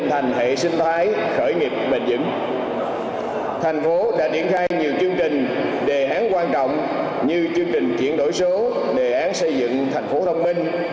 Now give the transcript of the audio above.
tp hcm đã triển khai nhiều chương trình đề án quan trọng như chương trình chuyển đổi số đề án xây dựng tp hcm